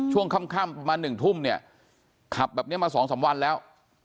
ช่วงค่ำประมาณหนึ่งทุ่มเนี่ยขับแบบเนี่ยมาสองสามวันแล้ว